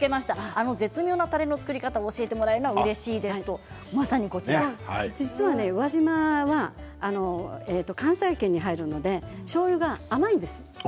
あの独特のたれの作り方を教えてもらえたらうれしいですという宇和島は関西圏に入るのでしょうゆが甘いんです。